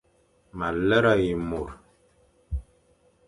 Ma lera ye mor.